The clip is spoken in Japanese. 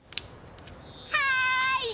はい！